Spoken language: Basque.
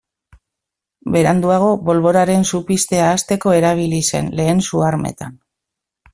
Beranduago, bolboraren su piztea hasteko erabili zen, lehen su armetan.